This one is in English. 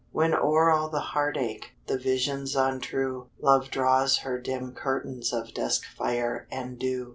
When o'er all the heartache, The visions untrue, Love draws her dim curtains Of duskfire and dew.